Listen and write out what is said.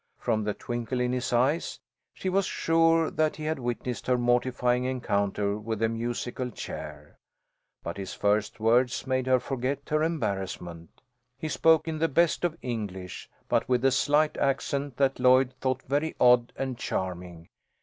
From the twinkle in his eye she was sure that he had witnessed her mortifying encounter with the musical chair. But his first words made her forget her embarrassment. He spoke in the best of English, but with a slight accent that Lloyd thought very odd and charming.